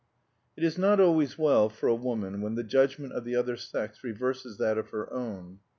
It is not always well for a woman when the judgment of the other sex reverses that of her own.